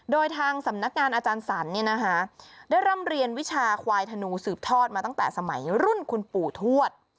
โดยทางสำนักงานอาจารย์สรรได้ร่ำเรียนวิชาควายธนูสืบทอดมาตั้งแต่สมัยรุ่นคุณปู่ทวด